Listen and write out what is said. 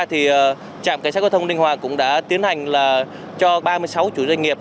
trạm cảnh sát giao thông ninh hòa cũng đã tiến hành cho ba mươi sáu chủ doanh nghiệp